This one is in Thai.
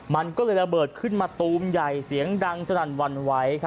มันก็เลยระเบิดขึ้นมาตูมใหญ่เสียงดังสนั่นวันไหว